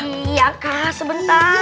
iya kak sebentar